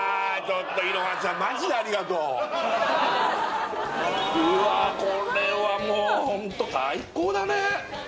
ちょっとうわあこれはもうホント最高だね！